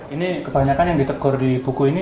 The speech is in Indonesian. ini kebanyakan yang ditegur di buku ini